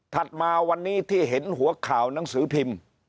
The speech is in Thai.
มาวันนี้ที่เห็นหัวข่าวหนังสือพิมพ์